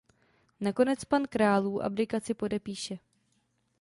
Nakonec pan Králů abdikaci podepíše.